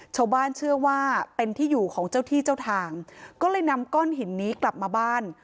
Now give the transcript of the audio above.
ชาวบ้านเชื่อว่าเป็นที่อยู่ของเจ้าที่เจ้าทางก็เลยนำก้อนหินนี้กลับมาบ้าน